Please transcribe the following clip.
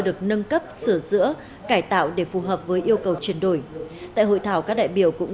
được nâng cấp sửa chữa cải tạo để phù hợp với yêu cầu chuyển đổi tại hội thảo các đại biểu cũng